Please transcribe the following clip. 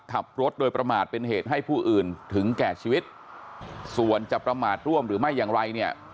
ขับรถโดยประมาทเป็นเหตุให้ผู้อื่นถึงแก่ชีวิตส่วนจะประมาทร่วมหรือไม่อย่างไรเนี่ย